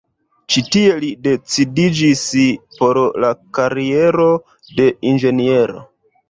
Ĉi tie li decidiĝis por la kariero de Inĝeniero.